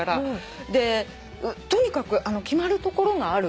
でとにかく決まる所がある。